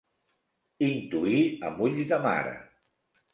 Intuir amb ulls de mare.